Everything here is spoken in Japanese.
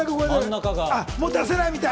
もう出せないみたい。